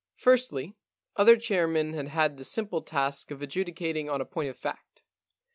Firstly, other chairmen had had the simple task of adjudicating on a point of fact.